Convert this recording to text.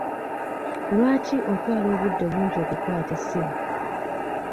Lwaki otwala obudde bungi okukwata essimu?